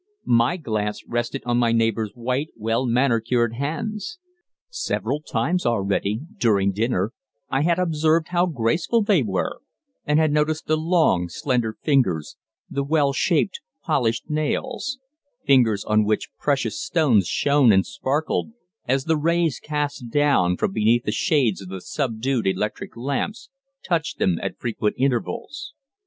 My glance rested on my neighbour's white, well manicured hands. Several times already, during dinner, I had observed how graceful they were, and had noticed the long, slender fingers, the well shaped, polished nails fingers on which precious stones shone and sparkled as the rays cast down from beneath the shades of the subdued electric lamps touched them at frequent intervals.